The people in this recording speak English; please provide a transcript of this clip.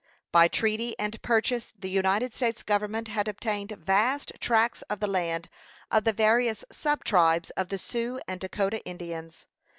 By treaty and purchase the United States government had obtained vast tracts of the lands of the various sub tribes of the Sioux and Dakotah Indians.